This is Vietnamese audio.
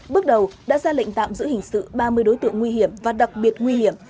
bước đầu đã ra lệnh tạm giữ hình sự ba mươi đối tượng nguy hiểm và đặc biệt nguy hiểm